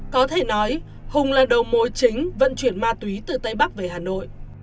có thể nói hùng là đầu mối chính vận chuyển ma túy từ tây bắc về hà nội